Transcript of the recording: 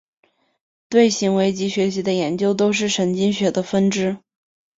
对行为及学习的研究都是神经科学的分支。